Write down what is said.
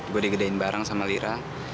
gue digedein bareng sama lira